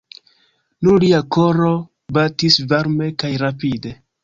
Nur lia koro batis varme kaj rapide.